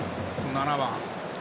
７番。